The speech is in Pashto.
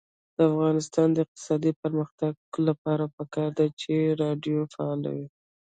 د افغانستان د اقتصادي پرمختګ لپاره پکار ده چې راډیو فعاله وي.